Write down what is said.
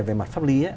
về mặt pháp lý